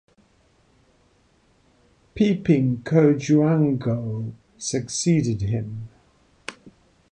Peping Cojuangco succeeded him.